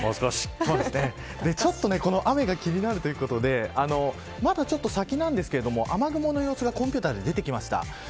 ちょっと雨が気になるということでまだちょっと先なんですけど雨雲の様子がコンピューターで出てきました。